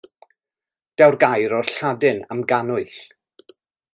Daw'r gair o'r Lladin am gannwyll.